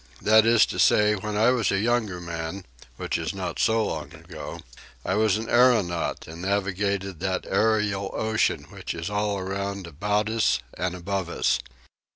That is to say, when I was a younger man (which is not so long ago) I was an aeronaut and navigated that aerial ocean which is all around about us and above us.